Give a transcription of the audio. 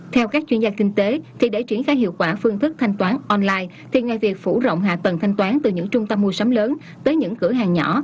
theo các chuyên gia kinh tế thì để triển khai hiệu quả phương thức thanh toán online thì ngoài việc phủ rộng hạ tầng thanh toán từ những trung tâm mua sắm lớn tới những cửa hàng nhỏ